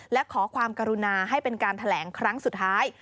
และขอความกรุณาให้เป็นการแถลงครั้งสุดท้าย